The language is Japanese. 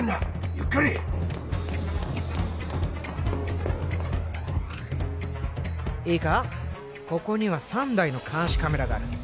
ゆっくりいいかここには３台の監視カメラがある